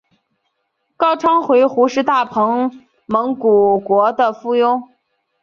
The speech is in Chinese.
高昌回鹘是大蒙古国的附庸。